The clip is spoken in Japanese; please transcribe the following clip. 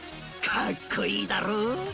かっこいいだろう！